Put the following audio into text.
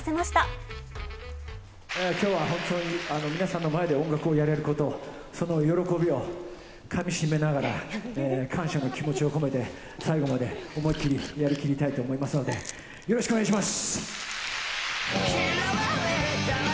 きょうは本当に、皆さんの前で音楽をやれること、その喜びをかみしめながら、感謝の気持ちを込めて、最後まで思いっ切りやりきりたいと思いますので、よろしくお願いします。